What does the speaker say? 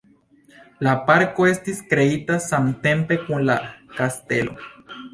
La parko estis kreita samtempe kun la kastelo.